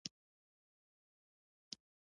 • ژړا د نرمو زړونو ځانګړنه ده.